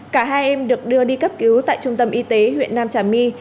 cả hai em được đưa đi cấp cứu tại trung tâm y tế huyện nam trà my